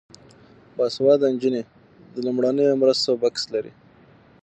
باسواده نجونې د لومړنیو مرستو بکس لري.